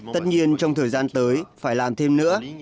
tất nhiên trong thời gian tới phải làm thêm nữa